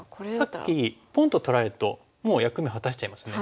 さっきポンと取られるともう役目果たしちゃいますね。